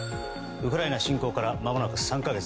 ウクライナ侵攻からまもなく３か月。